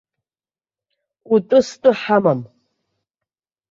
Утәы-стәы ҳамам.